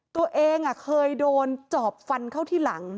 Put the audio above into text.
ตัวเองเคยโดนจอบฟันเข้าที่หลัง